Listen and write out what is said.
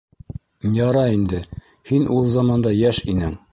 Ярай инде, һин ул заманда йәш инең.